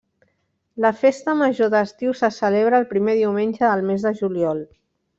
La Festa Major d'Estiu se celebra el primer diumenge del mes de juliol.